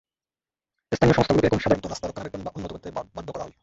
স্থানীয় সংস্থাগুলোকে এখন সাধারণত রাস্তা রক্ষণাবেক্ষণ বা উন্নত করতে বাধ্য করা হয়।